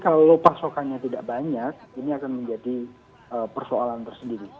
kalau pasokannya tidak banyak ini akan menjadi persoalan tersendiri